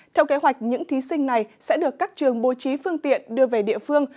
theo kế hoạch những thí sinh này sẽ được các trường bố trí phương tiện đưa về địa phương